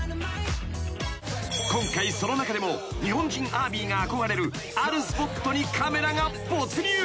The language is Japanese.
［今回その中でも日本人ＡＲＭＹが憧れるあるスポットにカメラが没入。